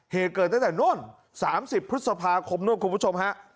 เหตุเกิดตั้งแต่นู่น๓๐พฤษภาคมนู่นคุณผู้ชมฮะ